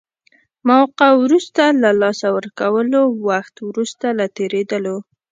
موقعه وروسته له لاسه ورکولو، وخت وروسته له تېرېدلو.